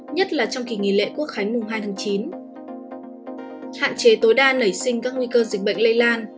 nhất là trong kỳ nghỉ lễ quốc hánh hai chín hạn chế tối đa nảy sinh các nguy cơ dịch bệnh lây lan